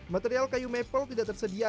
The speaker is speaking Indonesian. material kayu maple tidak tersedia